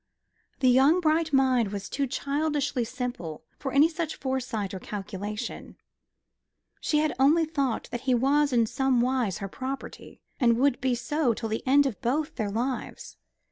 The young bright mind was too childishly simple for any such foresight or calculation. She had only thought that he was in somewise her property, and would be so till the end of both their lives.